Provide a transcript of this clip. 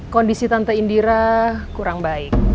kondisi tante indira kurang baik